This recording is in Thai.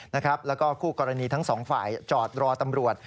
แล้วก็คู่กรณีทั้งสองฝ่ายจอดรอตำรวจ